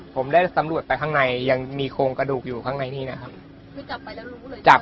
ผมได้สำรวจไปข้างในยังมีโครงกระดูกอยู่ข้างในนี้นะครับ